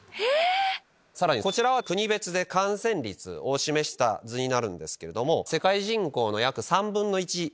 こちらは国別で感染率を示した図になるんですけれども。